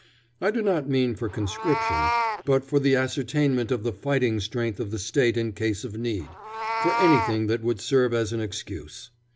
I do not mean for conscription, but for the ascertainment of the fighting strength of the State in case of need for anything that would serve as an excuse.